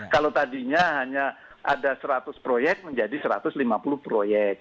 kalau tadinya hanya ada seratus proyek menjadi satu ratus lima puluh proyek